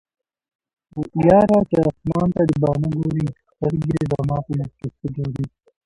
یاره چې اسمان ته دې باڼه ګوري سترګې دې زما په مخکې څه ګوري